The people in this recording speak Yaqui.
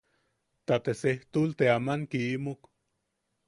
Ta te sejtul te aman kiimuk.